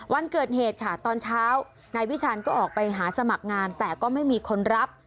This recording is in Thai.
วันเกิดเหตุค่ะตอนเช้านายวิชาณก็ออกไปหาสมัครงานแต่ก็ไม่มีคนรับ